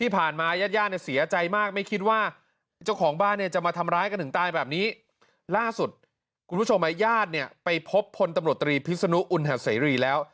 ภิกษณุอุณหศรีแล้ว